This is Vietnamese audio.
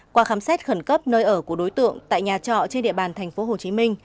qua khám xét khẩn cấp nơi ở của đối tượng tại nhà trọ trên địa bàn tp hcm